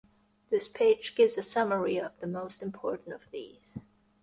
This page gives a summary of the most important of these.